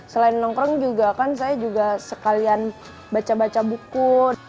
selain nongkrong juga kan saya juga sekalian baca baca buku